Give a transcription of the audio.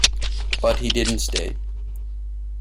But he didn’t stay.